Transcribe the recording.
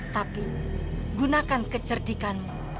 tapi gunakan kecerdikanmu